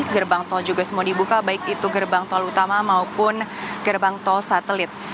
gerbang tol juga semua dibuka baik itu gerbang tol utama maupun gerbang tol satelit